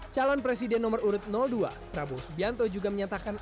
calon presiden nomor urut dua prabowo subianto juga menyatakan